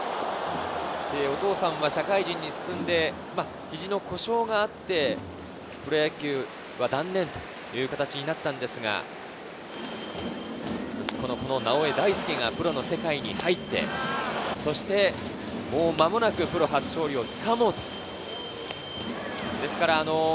お父さんは社会人に進んで、肘の故障があって、プロ野球は断念という形になったのですが、息子の直江大輔がプロの世界に入って、もう間もなくプロ初勝利をつかもうというところ。